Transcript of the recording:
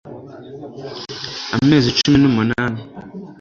amezi cumi n'umunani